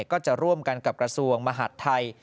ก็จะร่วมกันกับกระทรวงมหาดไทย